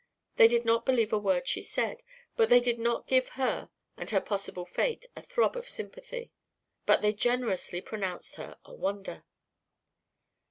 They did not believe a word she said, and they did not give her and her possible fate a throb of sympathy, but they generously pronounced her "a wonder."